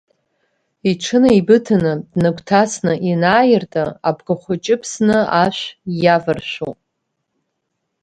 Иҽынеибыҭаны днагәҭасны ианааирты, абгахәыҷы ԥсны ашә иаваршәуп.